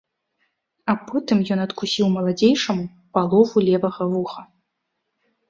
А потым ён адкусіў маладзейшаму палову левага вуха.